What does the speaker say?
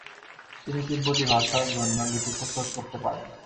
তিনি তিব্বতী ভাষার জন্য লিপি প্রস্তুত করতে পারেন।